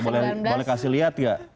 boleh kasih lihat gak